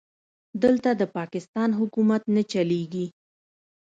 دلته د پاکستان حکومت نه چلېږي.